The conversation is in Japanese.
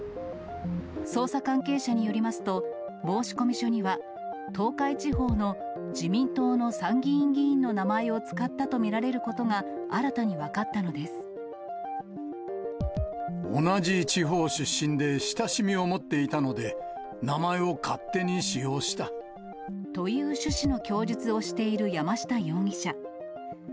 捜査関係者によりますと、申込書には、東海地方の自民党の参議院議員の名前を使ったと見られることが、同じ地方出身で親しみを持っていたので、という趣旨の供述をしている山下容疑者。